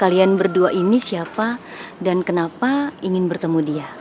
kalian berdua ini siapa dan kenapa ingin bertemu dia